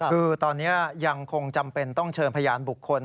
คือตอนนี้ยังคงจำเป็นต้องเชิญพยานบุคคล